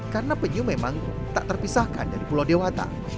karena penyu memang tak terpisahkan dari pulau dewata